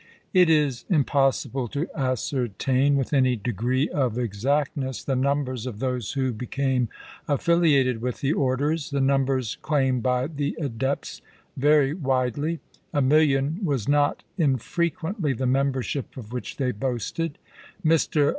It is impossible to ascertain, with any degree of exactness, the numbers of those who became afl&l iated with the orders. The numbers claimed by the adepts vary widely. A million was not infre quently the membership of which they boasted. Mr.